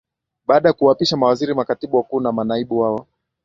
Baada ya kuwaapisha mawaziri makatibu wakuu na manaibu wao